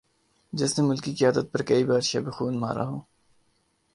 جس نے ملکی قیادت پر کئی بار شب خون مارا ہو